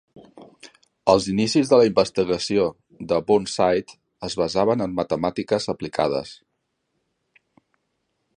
Els inicis de la investigació de Burnside es basaven en matemàtiques aplicades.